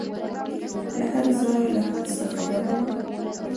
له هرځايه له هرڅه خبره وه.